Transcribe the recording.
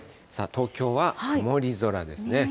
東京は曇り空ですね。